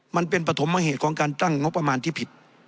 มันเป็นปฐมเหตุของการตั้งงบประมาณที่ผิด